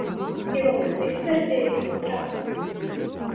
І валасы цвярдзеюць са страху.